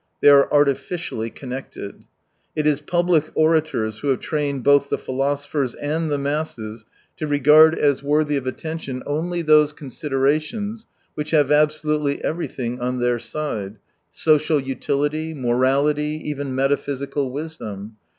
They are artificially connected. It is public orators who have trained both the philosophers and the masses to regard as worthy T>f 58 attention only those considerations which have absolutely everything on their side : social utility, morality, even metaphysical wisdom.